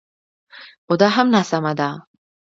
خو دا هم ناسمه ده